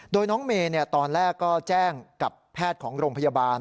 โดยน้องเมย์ตอนแรกก็แจ้งกับแพทย์ของโรงพยาบาล